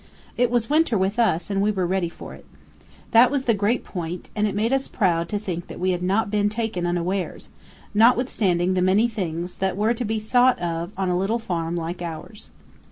It was winter with us, and we were ready for it. That was the great point, and it made us proud to think that we had not been taken unawares, notwithstanding the many things that were to be thought of on a little farm like ours.